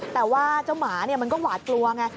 แต่ว่าเจ้าหมามันก็หวาดกลัวไง